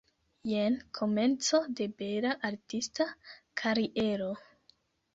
Jen komenco de bela artista kariero.